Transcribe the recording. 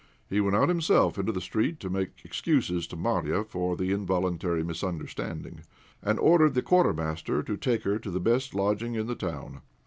He went out himself into the street to make excuses to Marya for the involuntary misunderstanding, and ordered the Quartermaster to take her to the best lodging in the town.